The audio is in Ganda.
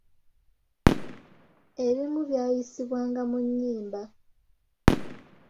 Ebimu byayisibwanga mu nnyimba.